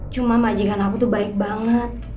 cuma majikan aku tuh baik banget